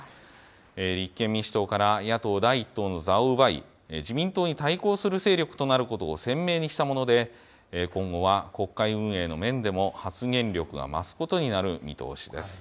立憲民主党から野党第１党の座を奪い、自民党に対抗する勢力となることを鮮明にしたもので、今後は国会運営の面でも発言力が増すことになる見通しです。